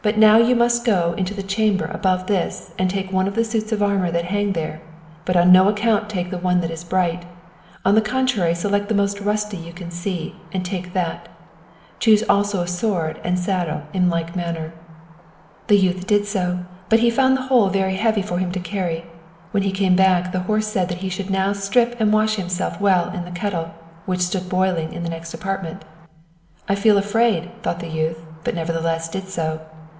Now you must go up into the chamber above this, and take one of the suits of armor that hang there: but on no account take one that is bright; on the contrary, select the most rusty you can see, and take that; choose also a sword and saddle in like manner." The youth did so, but he found the whole very heavy for him to carry. When he came back, the horse said that now he should strip and wash himself well in the kettle, which stood boiling in the next apartment. "I feel afraid," thought the youth, but nevertheless did so.